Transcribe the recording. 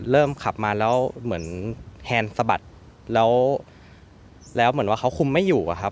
เริ่มขับมาแล้วเหมือนแฮนสะบัดแล้วแล้วเหมือนว่าเขาคุมไม่อยู่อะครับ